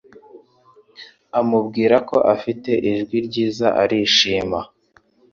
amubwira ko afite ijwi ryiza arishima